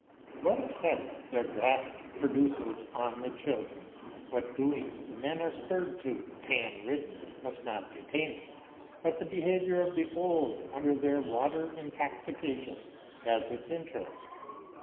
7What effect their draught produces on the children, what doings the men are spurred to, Pan ridden, must not detain us; but the behaviour of the old under their water intoxication has its interest.